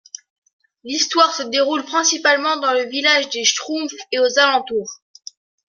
L'histoire se déroule principalement dans le village des Schtroumpfs et aux alentours.